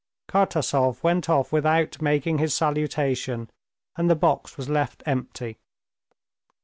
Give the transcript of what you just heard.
Kartasov went out without making his salutation, and the box was left empty.